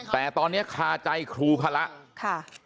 แต่ตอนนี้คาใจครูพระค่ะ